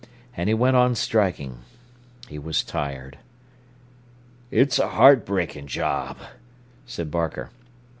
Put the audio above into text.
And he went on striking. He was tired. "It's a heart breaking job," said Barker.